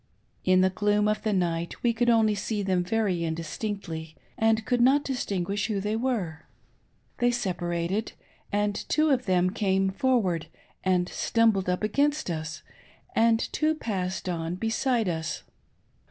In the gloom of the night we could only see them very indistinctly, and could hot distinguish who thej^ were. They separated ; and two of them came forward and stumbled up against us, and two passed on beside us.